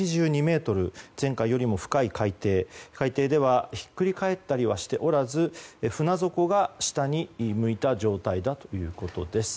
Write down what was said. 前回よりも深い海底で、海底ではひっくり返ったりはしておらず船底が下に向いた状態だということです。